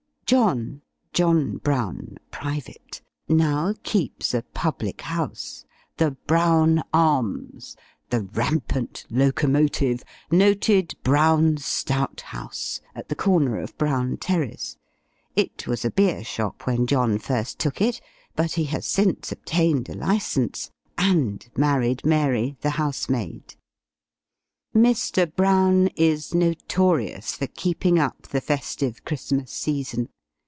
John John Brown, "private," now keeps a public house "the Brown Arms," "the Rampant Locomotive," "Noted Brown Stout House," at the corner of Brown Terrace: it was a beer shop when John first took it, but he has since obtained a licence, and married Mary, the house maid. Mr. Brown is notorious for keeping up the festive Christmas season!